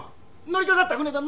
乗りかかった船だ。